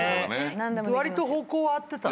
わりと方向は合ってた。